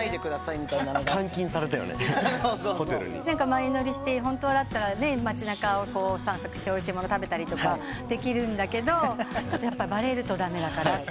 前乗りして本当だったら街なかを散策しておいしいもの食べたりとかできるんだけどちょっとやっぱバレると駄目だからと。